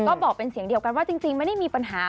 ก็บอกเป็นเสียงเดียวกันว่าจริงไม่ได้มีปัญหา